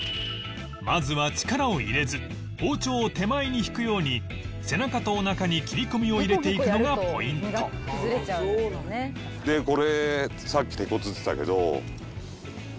まずは力を入れず包丁を手前に引くように背中とおなかに切り込みを入れていくのがポイントでこれさっき手こずってたけど。